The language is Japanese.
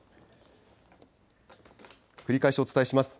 繰り返しお伝えします。